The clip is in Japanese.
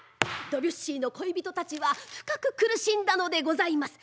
ドビュッシーの恋人たちは深く苦しんだのでございます。